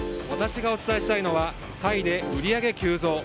私がお伝えしたいのはタイで売り上げ急増。